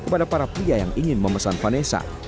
kepada para pria yang ingin memesan vanessa